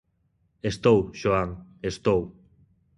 –Estou, Xoán, estou.